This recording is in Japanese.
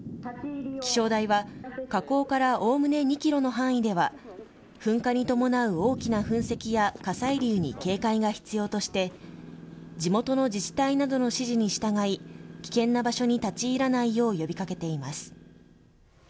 気象台は、火口からおおむね２ｋｍの範囲では噴火に伴う大きな噴石や火砕流に警戒が必要として地元の自治体などの指示に従い危険な場所に立ち入らないよう呼び掛けています。